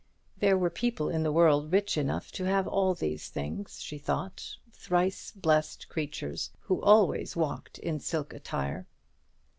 There were people in the world rich enough to have all these things, she thought, thrice blessed creatures, who always walked in silk attire.